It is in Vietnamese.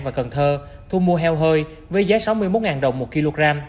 và cần thơ thu mua heo hơi với giá sáu mươi một đồng một kg